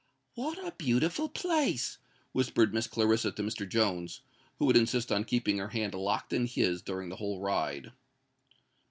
"What a beautiful place!" whispered Miss Clarissa to Mr. Jones, who would insist on keeping her hand locked in his during the whole ride.